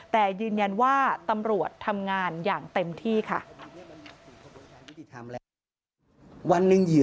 แต่ยืนยันว่าตำรวจทำงานอย่างเต็มที่ค่ะ